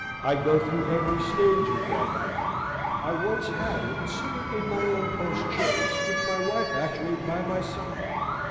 I go through every stage of that agony. I once had it sitting in my own postchaise, with my wife actually by my side.